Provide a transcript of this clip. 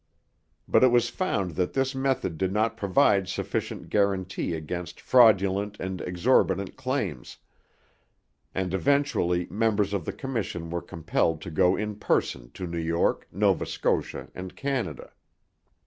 But it was found that this method did not provide sufficient guarantee against fraudulent and exorbitant claims; and eventually members of the commission were compelled to go in person to New York, Nova Scotia, and Canada.